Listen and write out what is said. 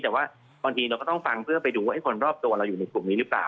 แต่ว่าบางทีเราก็ต้องฟังเพื่อไปดูว่าคนรอบตัวเราอยู่ในกลุ่มนี้หรือเปล่า